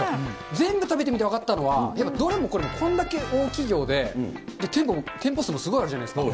全部食べてみて分かったのは、やっぱりどれもこれもこんだけ大企業で、結構店舗数もすごいあるじゃないですか。